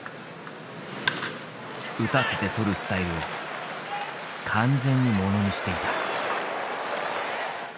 打たせてとるスタイルを完全にものにしていた。